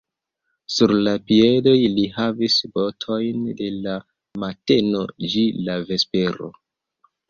Sur la piedoj li havis botojn de la mateno ĝi la vespero.